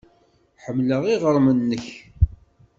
Ḥemmleɣ iɣrem-nnek.